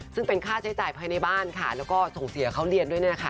ซึ่งเป็นค่าใช้จ่ายภายในบ้านค่ะแล้วก็ส่งเสียเขาเรียนด้วยนะคะ